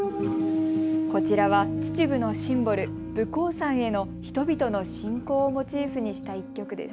こちらは秩父のシンボル、武甲山への人々の信仰をモチーフにした１曲です。